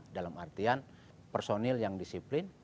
dalam artian personil yang disiplin